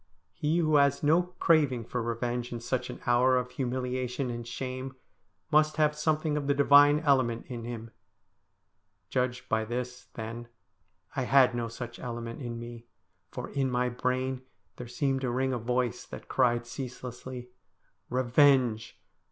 He who has no craving for revenge in such an hour of humiliation and shame must have something of the divine element in him. Judged by this, then, I had no such element in me, for in my brain there seemed to ring a voice that cried ceaselessly, ' Revenge